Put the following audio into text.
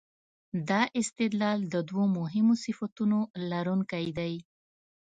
دا استدلال د دوو مهمو صفتونو لرونکی دی.